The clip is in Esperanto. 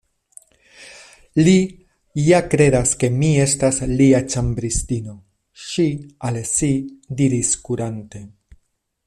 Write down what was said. “Li ja kredas ke mi estas lia ĉambristino,” ŝi al si diris, kurante.